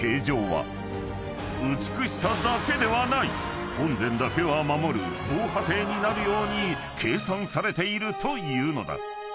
［美しさだけではない本殿だけは守る防波堤になるように計算されているというのだ］